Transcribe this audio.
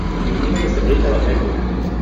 Im übrigen ist der Bericht aber sehr gut.